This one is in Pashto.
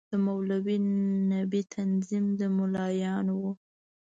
د مولوي نبي تنظیم د ملايانو وو.